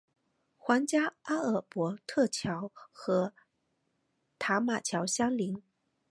皇家阿尔伯特桥和塔马桥相邻。